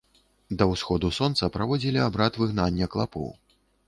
Да ўсходу сонца праводзілі абрад выгнання клапоў.